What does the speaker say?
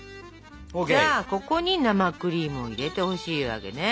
じゃあここに生クリームを入れてほしいわけね。